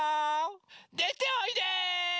でておいで！